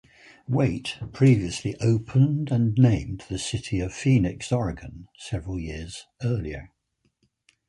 Wait previously opened, and named, the city of Phoenix, Oregon several years earlier.